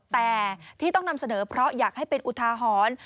แต่ที่ต้องนำเสนอเพราะอยากให้เป็นอุทาหรณ์